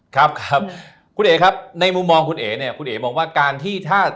ครับครับคุณเอ๋ครับในมุมมองคุณเอ๋เนี่ยคุณเอ๋มองว่าการที่ถ้า